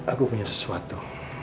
aku punya sesuatu